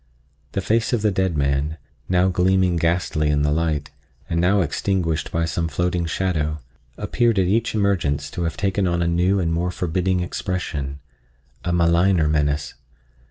The face of the dead man, now gleaming ghastly in the light, and now extinguished by some floating shadow, appeared at each emergence to have taken on a new and more forbidding expression, a maligner menace.